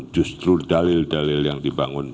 justru dalil dalil yang dibangun